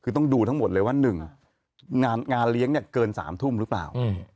คือต้องดูทั้งหมดเลยว่า๑งานเลี้ยงเนี่ยเกิน๓ทุ่มหรือเปล่า